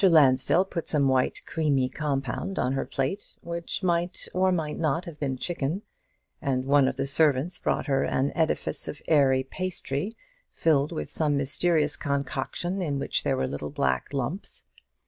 Lansdell put some white creamy compound on her plate, which might or might not have been chicken: and one of the servants brought her an edifice of airy pastry, filled with some mysterious concoction in which there were little black lumps.